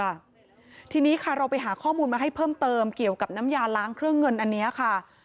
ค่ะทีนี้ค่ะเราไปหาข้อมูลมาให้เพิ่มเติมเกี่ยวกับน้ำยาล้างเครื่องเงินอันนี้ค่ะ